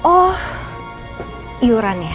oh iuran ya